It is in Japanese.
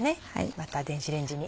また電子レンジに。